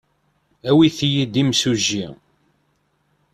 Awimt-iyi-d imsujji.